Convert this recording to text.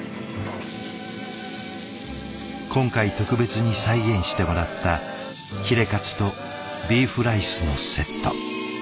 今回特別に再現してもらったヒレカツとビーフライスのセット。